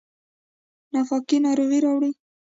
ناپاکي ناروغي راوړي